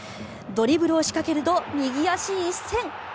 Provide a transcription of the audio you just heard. ドリブルを仕掛けると右足一閃！